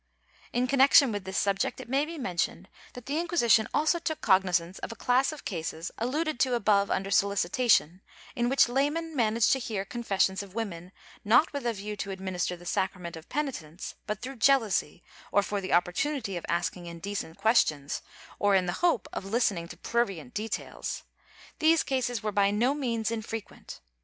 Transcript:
^ In connection with this subject it may be mentioned that the Inquisition also took cognizance of a class of cases, alluded to above under Solicitation, in which laymen managed to hear con fessions of women, not with a view to administer the sacrament of penitence, but through jealousy, or for the opportunity of asking indecent questions, or in the hope of listening to prurient details. These cases were by no means infrequent.